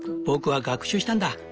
僕は学習したんだ。